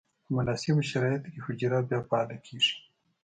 په مناسبو شرایطو کې حجره بیا فعاله کیږي.